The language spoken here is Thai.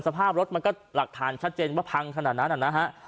สภาพรถมันก็หลักฐานชัดเจนว่าพังขนาดนั้นนะฮะ